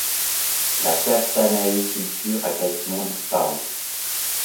La castanéiculture a quasiment disparu.